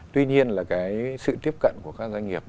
tuy nhiên là cái sự tiếp cận của các doanh nghiệp